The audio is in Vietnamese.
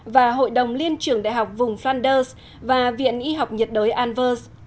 và hội đồng liên trưởng đại học vùng fanders và viện y học nhiệt đới anvers